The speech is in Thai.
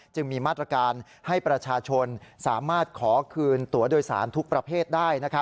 จึงมีมาตรการให้ประชาชนสามารถขอคืนตัวโดยสารทุกประเภทได้